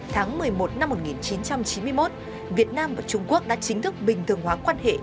tháng một mươi một năm một nghìn chín trăm chín mươi một việt nam và trung quốc đã chính thức bình thường hóa quan hệ